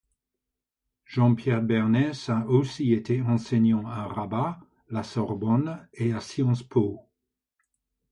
Jean-Pierre Bernés a aussi été enseignant à Rabat, la Sorbonne et à Sciences Po.